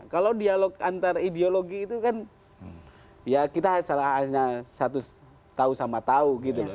kalau dialog antar ideologi itu kan ya kita hanya satu tahu sama tahu gitu loh